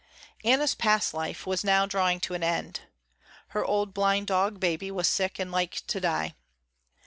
Anna's past life was now drawing to an end. Her old blind dog, Baby, was sick and like to die.